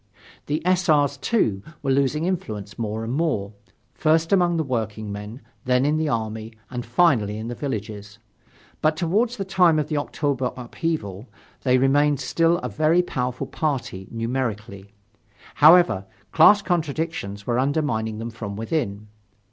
The S. R.'s, too, were losing influence more and more first among the workingmen, then in the army, and finally in the villages. But toward the time of the October upheaval, they remained still a very powerful party, numerically. However, class contradictions were undermining them from within.